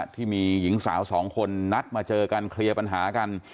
ที่มีหญิงสาวสองคนนัดมาเจอกันเคลียร์ปัญหากัน